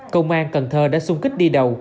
công an cần thơ đã sung kích đi đầu